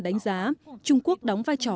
đánh giá trung quốc đóng vai trò